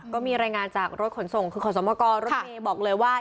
ก็มีรายงานจากรถขนส่งคือขอสมกรรถเมย์บอกเลยว่า